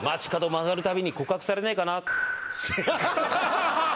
曲がるたびに告白されないかな